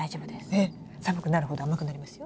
寒くなるほど甘くなりますよ。